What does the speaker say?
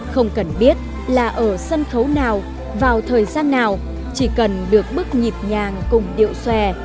không cần biết là ở sân khấu nào vào thời gian nào chỉ cần được bước nhịp nhàng cùng điệu xòe